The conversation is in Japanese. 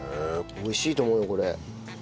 美味しいと思うよこれ。